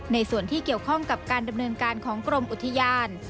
ในส่วนที่เกี่ยวข้องกับการดำเนินการของกรมอุทยาน